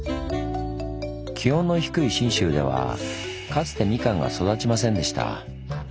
気温の低い信州ではかつてミカンが育ちませんでした。